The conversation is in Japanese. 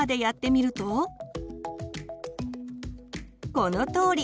このとおり！